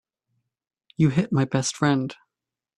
You hit my best friend.